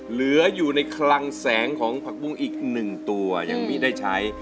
เหลืออยู่ในคลังแสงของผักบุ้งอีก๑ตัวยังมีได้ใช้